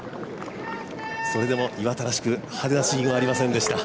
それでも岩田らしく派手なシーンはありませんでした。